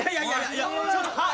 いやちょっとはっ？